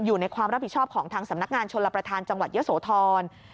อยู่ในความรับผิดชอบของทางสำนักงานชนรับประทานจังหวัดเยอะโสธร